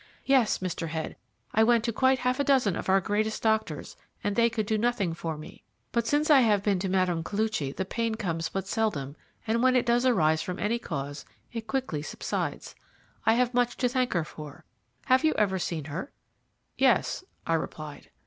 Yes, Mr. Head, I went to quite half a dozen of our greatest doctors, and they could do nothing for me; but since I have been to Mme. Koluchy the pain comes but seldom, and when it does arise from any cause it quickly subsides. I have much to thank her for. Have you ever seen her?" "Yes," I replied.